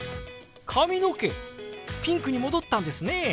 髪の毛ピンクに戻ったんですね！